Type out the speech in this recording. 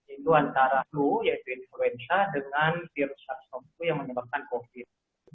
itu antara flu yaitu influenza dengan virus sars cov dua yang menyebabkan covid